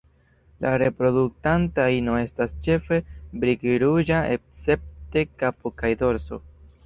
La reproduktanta ino estas ĉefe brik-ruĝa escepte kapo kaj dorso.